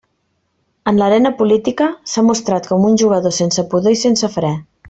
En l'arena política s'ha mostrat com un jugador sense pudor i sense fre.